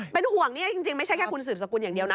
เป็นห่วงนี่จริงไม่ใช่แค่คุณสืบสกุลอย่างเดียวนะ